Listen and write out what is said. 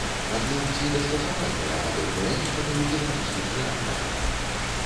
Аднак ці дастасавальныя падобныя метады ў беларускіх рэаліях?